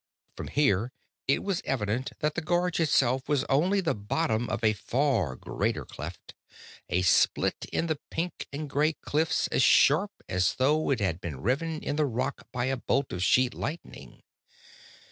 From here, it was evident that the gorge itself was only the bottom of a far greater cleft, a split in the pink and grey cliffs as sharp as though it had been riven in the rock by a bolt of sheet lightning.